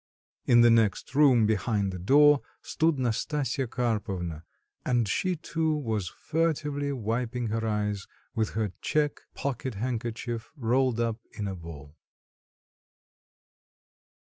In the next room, behind the door, stood Nastasya Karpovna, and she too was furtively wiping her eyes with her check pocket handkerchief rolled up in a ball.